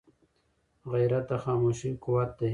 غیرت د خاموشۍ قوت دی